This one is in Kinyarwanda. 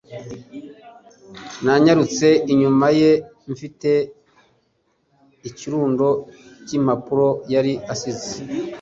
Nanyarutse inyuma ye mfite ikirundo cy'impapuro yari asize